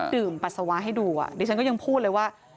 ดื่มปัสสาวะให้ดูเดี๋ยวฉันก็ยังพูดเลยว่า